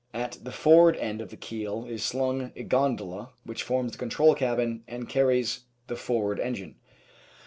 At the forward end of the keel is slung a gondola which forms the control cabin and carries the forward engine.